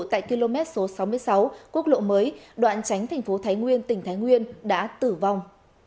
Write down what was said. tại km số sáu mươi sáu quốc lộ mới đoạn tránh thành phố thái nguyên tỉnh thái nguyên đã tử vong